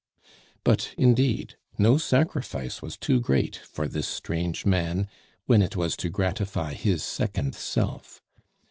But, indeed, no sacrifice was too great for this strange man when it was to gratify his second self.